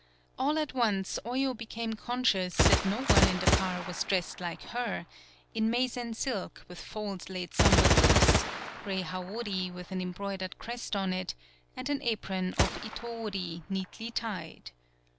All at once Oyo became con scious that no one in the car was dressed like her in Meisen silk, with folds laid somewhat loose, gray Hawori with an embroidered crest on it, and an apron of Itob'ri neatly tied.